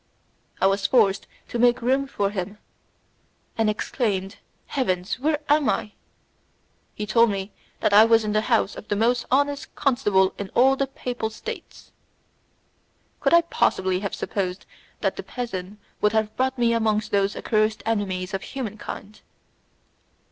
I was forced to make room for him, and exclaimed "Heavens, where am I?" He told me that I was in the house of the most honest constable in all the papal states. Could I possibly have supposed that the peasant would have brought me amongst those accursed enemies of humankind!